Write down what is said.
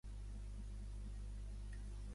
Viella és plena de madrilenys.